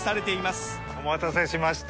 お待たせしました